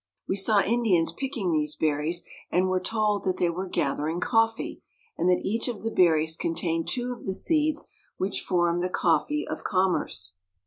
We saw Indians picking these ber ries, and were told that they were gathering coffee, and that each of the berries contained two of the seeds which form the coffee of commerce.